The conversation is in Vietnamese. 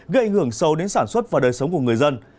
gây ảnh hưởng sâu đến sản xuất và đời sống của người dân